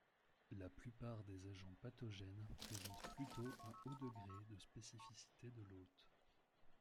La plupart des agents pathogènes présentent plutôt un haut degré de spécificité de l'hôte.